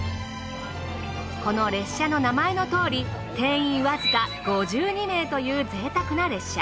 この列車の名前のとおり定員わずか５２名という贅沢な列車。